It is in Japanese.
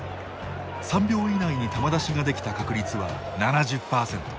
３秒以内に球出しができた確率は７０％。